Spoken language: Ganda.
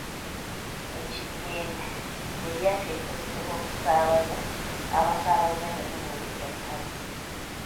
Ekidyeri lye lyato erikozesebwa okusaabaza abasaabaze, emigugu okuyita ku mazzi.